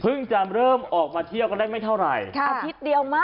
จะเริ่มออกมาเที่ยวกันได้ไม่เท่าไหร่อาทิตย์เดียวมาก